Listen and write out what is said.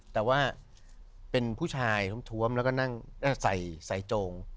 แต่ว่าเป็นผู้ชายท้วมแล้วก็นั่งใส่โจง